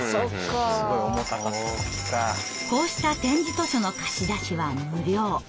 こうした点字図書の貸し出しは無料。